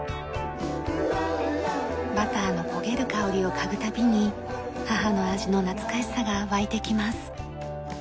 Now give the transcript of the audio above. バターの焦げる香りを嗅ぐ度に母の味の懐かしさが湧いてきます。